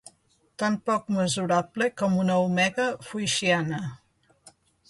Tan poc mesurable com una omega foixiana.